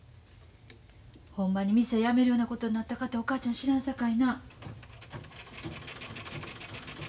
ほんまに店やめるようなことになったかてお母ちゃん知らんさかいな。